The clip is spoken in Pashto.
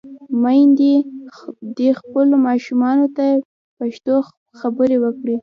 میندې دې خپلو ماشومانو ته پښتو خبرې وکړي.